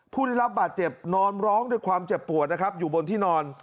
ผู้ได้รับบาดเจ็บนอนร้องด้วยความเจ็บปวดนะครับอยู่บนที่นอน